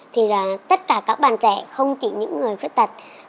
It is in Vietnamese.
thì là tất cả các bạn trẻ không chỉ những người khuyết tật